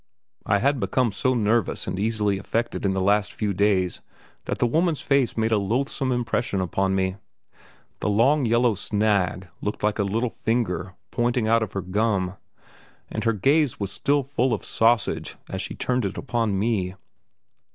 I had become so nervous and easily affected in the last few days that the woman's face made a loathsome impression upon me. The long yellow snag looked like a little finger pointing out of her gum, and her gaze was still full of sausage as she turned it upon me.